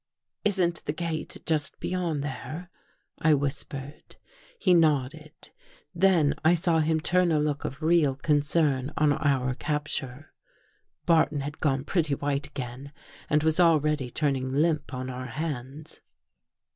" Isn't the gate just beyond there? " I whispered. He nodded. Then I saw him turn a look of real concern on our capture. Barton had gone pretty white again and was already turning limp on our hands.